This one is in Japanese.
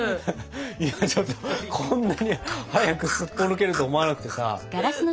今ちょっとこんなに早くすっぽ抜けると思わなくてさ。